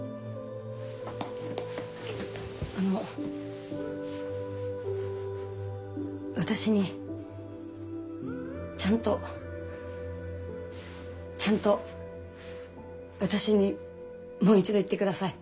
あの私にちゃんとちゃんと私にもう一度言ってください